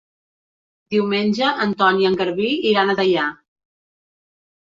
Diumenge en Ton i en Garbí iran a Deià.